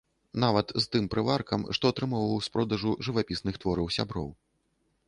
Нават з тым прываркам, што атрымоўваў з продажу жывапісных твораў сяброў.